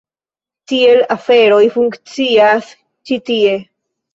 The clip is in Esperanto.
Tiel aferoj funkcias ĉi tie.